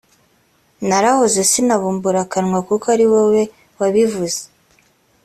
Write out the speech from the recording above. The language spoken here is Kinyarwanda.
narahoze sinabumbura akanwa kuko ari wowe wabivuze